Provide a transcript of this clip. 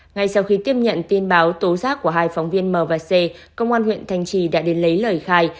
ngay sau khi tiếp nhận tin báo tố giác của hai phóng viên m và c công an huyện thanh trì đã đến lấy lời khai